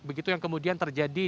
begitu yang kemudian terjadi